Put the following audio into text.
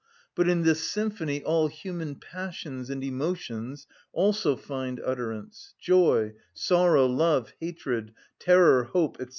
But in this symphony all human passions and emotions also find utterance; joy, sorrow, love, hatred, terror, hope, &c.